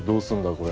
これ。